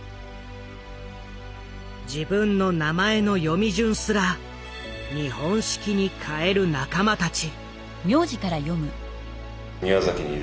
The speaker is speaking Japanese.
自分の名前の読み順すら日本式に変える仲間たち。